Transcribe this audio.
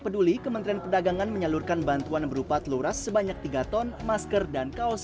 peduli kementerian perdagangan menyalurkan bantuan berupa teluras sebanyak tiga ton masker dan kaos